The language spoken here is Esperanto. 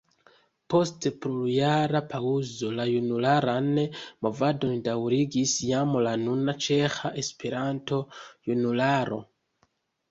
Post plurjara paŭzo la junularan movadon daŭrigis jam la nuna Ĉeĥa Esperanto-Junularo.